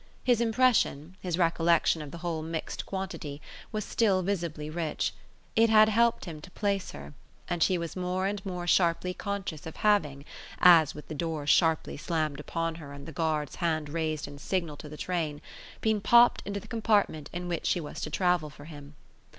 His impression, his recollection of the whole mixed quantity, was still visibly rich. It had helped him to place her, and she was more and more sharply conscious of having as with the door sharply slammed upon her and the guard's hand raised in signal to the train been popped into the compartment in which she was to travel for him.